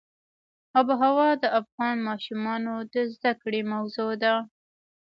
آب وهوا د افغان ماشومانو د زده کړې موضوع ده.